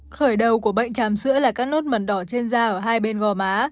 khởi đầu của bệnh chàm sữa là các nốt mần đỏ trên da ở hai bên gò má